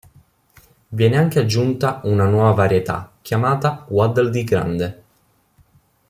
Viene anche aggiunta una nuova varietà chiamata Waddle Dee Grande.